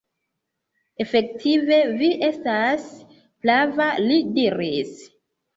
Efektive vi estas prava, li diris.